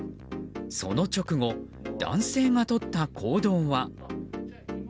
その直後、男性がとった行動は。